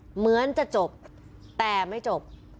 เหมือนจะจบแต่ไม่จบ